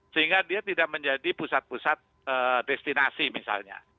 sehingga dia tidak menjadi pusat pusat destinasi misalnya